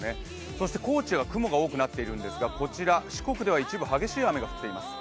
そして高知は雲が多くなっているんですが、こちら、四国では一部、激しい雨が降っています